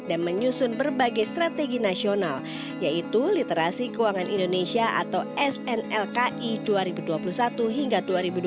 dan menyusun berbagai strategi nasional yaitu literasi keuangan indonesia atau snlki dua ribu dua puluh satu hingga dua ribu dua puluh lima